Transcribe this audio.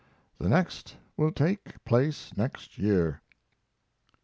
The next will take place next year.